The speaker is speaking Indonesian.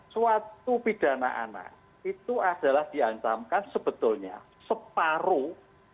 suatu pidana anak itu adalah diancamkan sebetulnya separuh